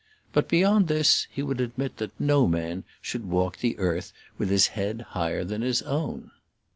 But beyond this he would admit that no man should walk the earth with his head higher than his own.